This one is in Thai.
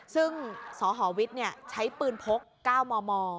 ซึ่งสฮวิทย์เนี่ยใช้ปืนพก๙มม